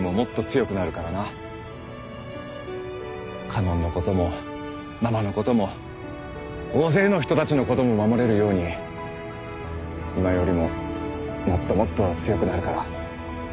花音のこともママのことも大勢の人たちのことも守れるように今よりももっともっと強くなるから。